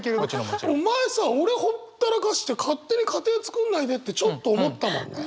お前さ俺ほったらかして勝手に家庭作んないでってちょっと思ったもんね。